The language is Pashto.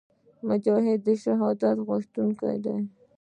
مجاهد د شهادت غوښتونکی وي.